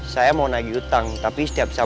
siap siap siap